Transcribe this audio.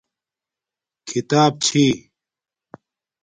کھیتاپ چھی